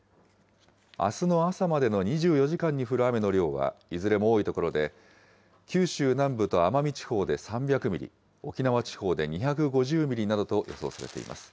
あすの朝までの２４時間に降る雨の量は、いずれも多い所で、九州南部と奄美地方で３００ミリ、沖縄地方で２５０ミリなどと予想されています。